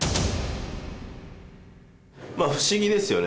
まあ不思議ですよね。